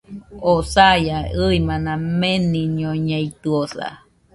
Oo saia, ɨimana meniñoñeitɨosa